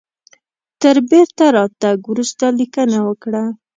تر بیرته راتګ وروسته لیکنه وکړه.